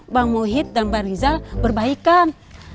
bang muhyidd dan mbak rizal berbaikan